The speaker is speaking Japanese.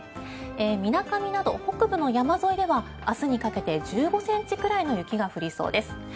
みなかみなど北部の山沿いでは明日にかけて１５ｃｍくらいの雪が降りそうです。